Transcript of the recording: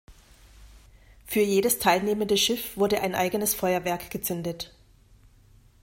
Für jedes teilnehmende Schiff wurde ein eigenes Feuerwerk gezündet.